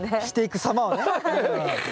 していくさまをね。